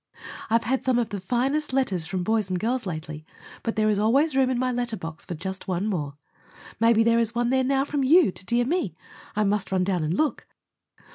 I've had some of the finest letters from boys and girls lately, but there is always room in my letter box for just one more. Maybe there is one there now from you to dear me? I must run down and look.